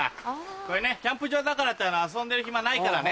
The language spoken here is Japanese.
これねキャンプ場だからって遊んでる暇ないからね。